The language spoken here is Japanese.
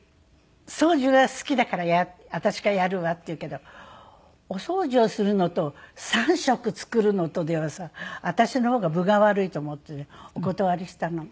「掃除は好きだから私がやるわ」って言うけどお掃除をするのと３食作るのとではさ私の方が分が悪いと思ってねお断りしたの。